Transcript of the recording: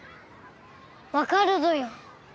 わかるぞよ。